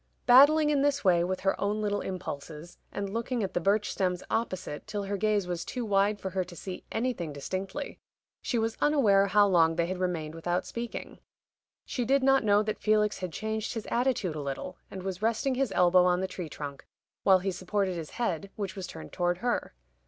Battling in this way with her own little impulses, and looking at the birch stems opposite till her gaze was too wide for her to see anything distinctly, she was unaware how long they had remained without speaking. She did not know that Felix had changed his attitude a little, and was resting his elbow on the tree trunk, while he supported his head, which was turned toward her.